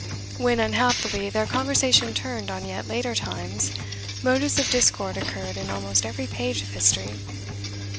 When, unhappily, their conversation turned on yet later times, motives of discord occurred in almost every page of history.